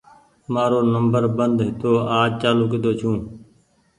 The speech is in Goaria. مآرو نمبر بند هيتو آج چآلو ڪۮو ڇوٚنٚ